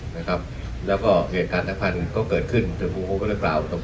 แล้วก็เหตุการณ์นักภัณฑ์อื่นก็เกิดขึ้นถึงภูมิก็เรียกราว